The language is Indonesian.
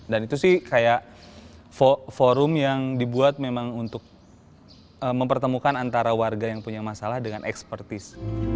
dan itu sih kayak forum yang dibuat memang untuk mempertemukan antara warga yang punya masalah dengan ekspertis